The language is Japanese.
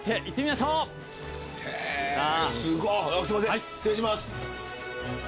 へぇすいません失礼します。